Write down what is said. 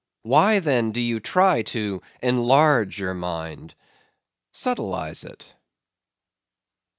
—Why then do you try to "enlarge" your mind? Subtilize it.